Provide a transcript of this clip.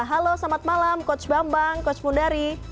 halo selamat malam coach bambang coach mundari